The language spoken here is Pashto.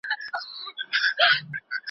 ډاکټر زموږ پاڼه وړاندي کړې ده.